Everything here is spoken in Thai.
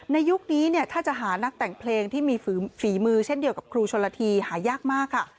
ยุคนี้เนี่ยถ้าจะหานักแต่งเพลงที่มีฝีมือเช่นเดียวกับครูชนละทีหายากมากค่ะ